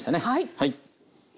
はい。